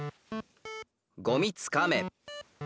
「ゴミつかめ」。